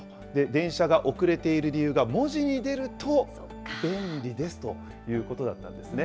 電車が遅れている理由が文字に出ると便利ですということだったんですね。